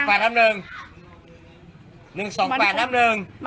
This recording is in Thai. ว่าอะไรดิแหละ